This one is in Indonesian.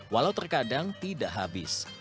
walau terkadang tidak habis